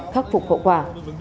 khắc phục khẩu quả